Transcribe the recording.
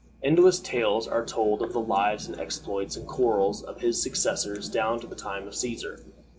Endless tales are told of the lives, and exploits, and quarrels of his successors down to the time of Cæsar.